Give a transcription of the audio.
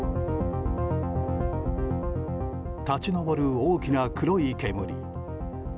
立ち上る大きな黒い煙。